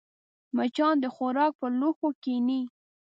مچان د خوراک پر لوښو کښېني